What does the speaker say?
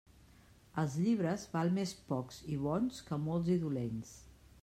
Els llibres, val més pocs i bons que molts i dolents.